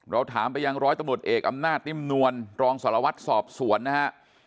เราถามไปยังร้อยตำรวจเอกอำนาจนิ่มนวลรองสารวัตรสอบสวนนะฮะ